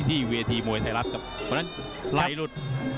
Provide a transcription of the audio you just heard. ที่เวทีมวยไทยรัฐ